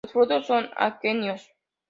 Los frutos son aquenios.